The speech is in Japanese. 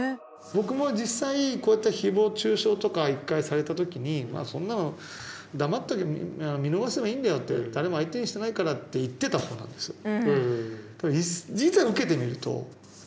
僕も実際こういった誹謗中傷とか一回されたときにそんなの黙っとけば見逃せばいいんだよって誰も相手にしてないからって言ってたほうなんですよ。